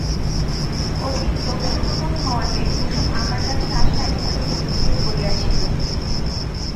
অধিক লোকসমাগম হওয়াতে কুসুম আমার কাছে আসা একেবারে পরিত্যাগ করিয়াছিল।